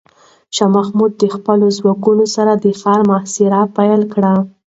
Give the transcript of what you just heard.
شاه محمود د خپلو ځواکونو سره د ښار محاصره پیل کړه.